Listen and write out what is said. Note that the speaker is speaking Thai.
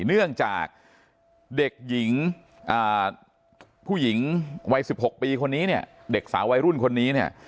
เนื่องจากเด็กหญิงผู้หญิงวัย๑๖ปีคนนี้เนี่ยเด็กสาววัยรุ่นคนนี้เนี่ย